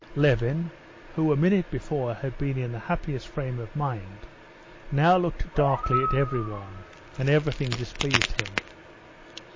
Levin, who a minute before had been in the happiest frame of mind, now looked darkly at everyone, and everything displeased him.